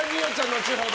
後ほど